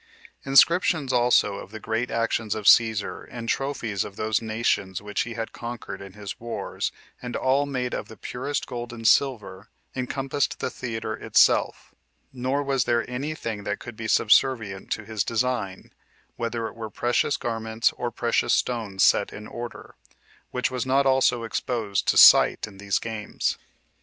Inscriptions also of the great actions of Cæsar, and trophies of those nations which he had conquered in his wars, and all made of the purest gold and silver, encompassed the theater itself; nor was there any thing that could be subservient to his design, whether it were precious garments, or precious stones set in order, which was not also exposed to sight in these games.